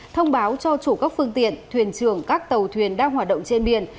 thông báo cho chủ các phương tiện thuyền trường các tàu thuyền đang hoạt động trên biển